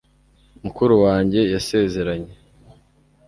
mukuru wanjye yasezeranye